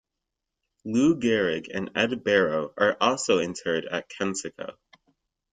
Lou Gehrig and Ed Barrow are also interred at Kensico.